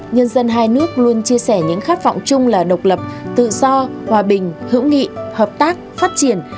nhân dân hai nước luôn chia sẻ những khát vọng chung là độc lập tự do hòa bình hữu nghị hợp tác phát triển